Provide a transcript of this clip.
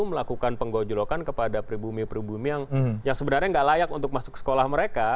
melakukan penggojolokan kepada pribumi pribumi yang sebenarnya nggak layak untuk masuk sekolah mereka